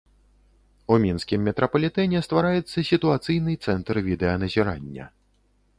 У мінскім метрапалітэне ствараецца сітуацыйны цэнтр відэаназірання.